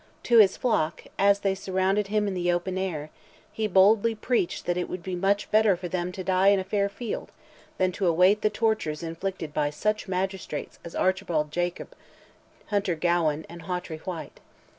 To his flock, as they surrounded him in the open air, he boldly preached that it would be much better for them to die in a fair field than to await the tortures inflicted by such magistrates as Archibald Jacob, Hunter Gowan, and Hawtrey White.